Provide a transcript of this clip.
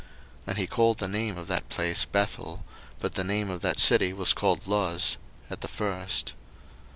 01:028:019 And he called the name of that place Bethel: but the name of that city was called Luz at the first.